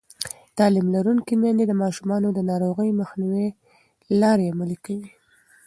تعلیم لرونکې میندې د ماشومانو د ناروغۍ مخنیوي لارې عملي کوي.